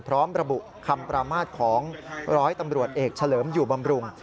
พร้อมระบุคำประมาทของร้อยตำรวจเอกเฉลิมอยู่บำรุง